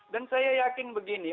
dan saya yakin begini